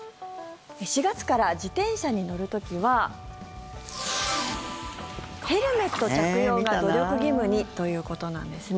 ４月から自転車に乗る時はヘルメット着用が努力義務にということなんです。